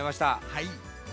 はい。